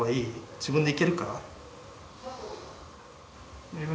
自分で行けるか？